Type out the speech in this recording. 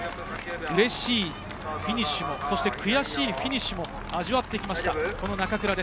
うれしいフィニッシュも悔しいフィニッシュも味わってきました。